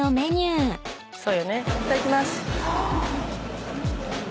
いただきます。